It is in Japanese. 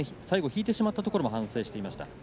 最後引いてしまったところも反省していました。